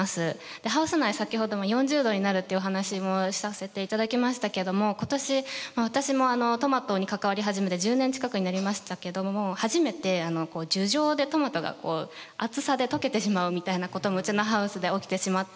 でハウス内先ほども４０度になるっていうお話もさせていただきましたけども今年私もトマトに関わり始めて１０年近くになりましたけども初めてこう樹上でトマトがこう暑さで溶けてしまうみたいなこともうちのハウスで起きてしまって。